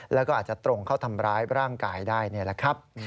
แล้วก็อาจจะตรงเข้าทำร้ายร่างกายได้นี่แหละครับ